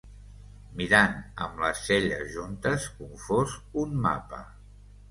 Mirant amb les celles juntes, confós, un mapa